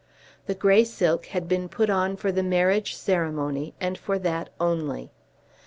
The grey silk had been put on for the marriage ceremony and for that only.